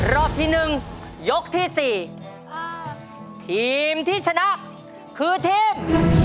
รอบที่๑ยกที่๔ทีมที่ชนะคือทีม